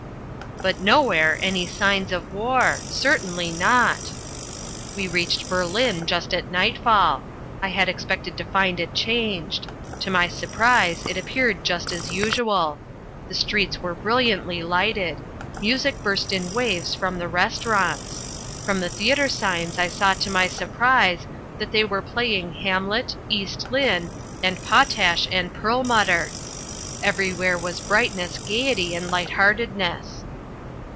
But nowhere any signs of war. Certainly not. We reached Berlin just at nightfall. I had expected to find it changed. To my surprise it appeared just as usual. The streets were brilliantly lighted. Music burst in waves from the restaurants. From the theatre signs I saw, to my surprise, that they were playing Hamlet, East Lynne and Potash and Perlmutter. Everywhere was brightness, gaiety and light heartedness.